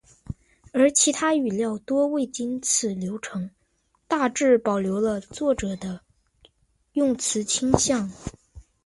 而其他语料多未经此流程，大致保留了作者的用词倾向。